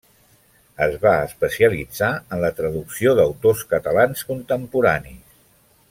Es va especialitzar en la traducció d’autors catalans contemporanis.